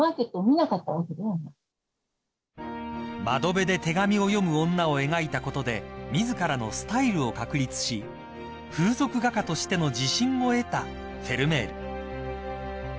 ［『窓辺で手紙を読む女』を描いたことで自らのスタイルを確立し風俗画家としての自信を得たフェルメール］